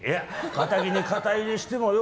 堅気に肩入れしてもよ